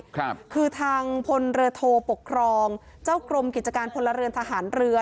ครับคือทางพลเรือโทปกครองเจ้ากรมกิจการพลเรือนทหารเรือ